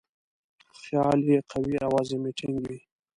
خیال یې قوي او عزم یې ټینګ وي.